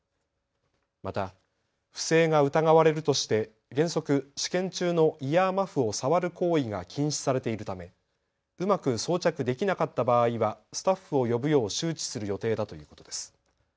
また不正が疑われるとして原則試験中のイヤーマフを触る行為が禁止されているため、うまく装着できなかった場合はスタッフを呼ぶよう周知する予定だということです。